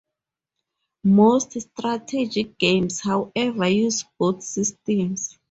Most strategy games however use both systems.